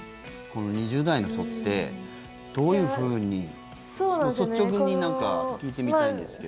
２０代の人ってどういうふうに率直に聞いてみたいんですけど。